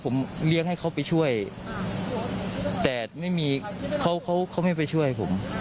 ผมเลี้ยงให้เขาไปช่วยแต่ไม่มีเขาเขาไม่ไปช่วยผม